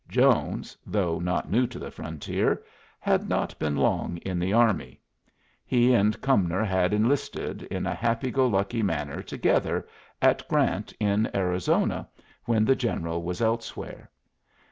Jones, though not new to the frontier, had not been long in the army. He and Cumnor had enlisted in a happy go lucky manner together at Grant, in Arizona, when the General was elsewhere.